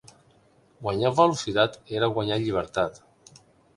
Guanyar velocitat era guanyar llibertat.